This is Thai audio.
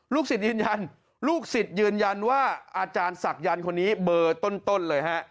ศิษย์ยืนยันลูกศิษย์ยืนยันว่าอาจารย์ศักยันต์คนนี้เบอร์ต้นเลยฮะ